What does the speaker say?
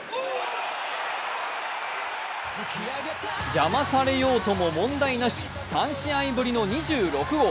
邪魔されようとも問題なし３試合ぶりの２６号。